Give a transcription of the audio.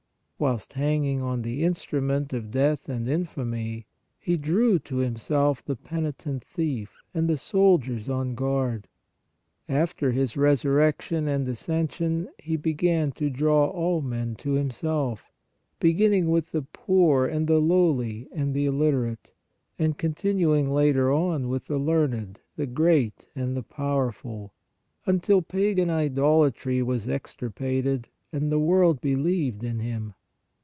Whilst hanging on the instrument of death and infamy, He drew to Himself the peni tent thief and the soldiers on guard. After His resurrection and ascension He began to draw all men to Himself, beginning with the poor and the lowly and the illiterate, and continuing later on with the learned, the great and the powerful, until pagan idolatry was extirpated and the world believed in Him.